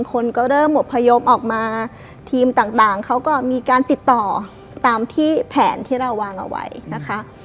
คนก็เริ่มอบพยพออกมาทีมต่างเขาก็มีการติดต่อตามที่แผนที่เราวางเอาไว้นะคะ